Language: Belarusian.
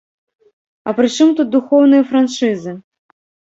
А прычым тут духоўныя франшызы?